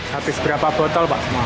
habis berapa botol pak